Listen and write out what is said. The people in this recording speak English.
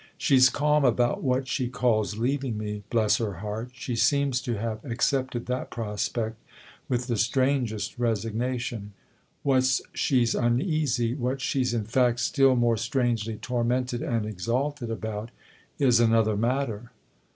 " She's calm about what she calls leaving me, bless her heart ; she seems to have accepted that prospect with the strangest resignation. What she's uneasy, what she's in fact still more strangely tormented and exalted about, is another matter."